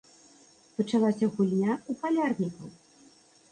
Пачалася гульня ў палярнікаў.